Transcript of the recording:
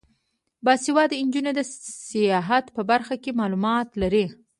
باسواده نجونې د سیاحت په برخه کې معلومات لري.